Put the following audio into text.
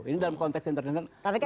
ini dalam konteks internasional